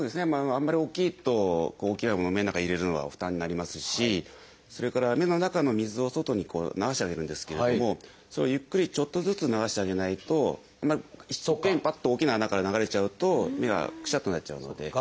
あんまり大きいと大きなものを目の中入れるのは負担になりますしそれから目の中の水を外に流してあげるんですけれどもゆっくりちょっとずつ流してあげないとパッと大きな穴から流れちゃうと目がクシャッとなっちゃうので。